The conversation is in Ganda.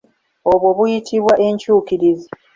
Obwo buyitibwa enkyukirizi.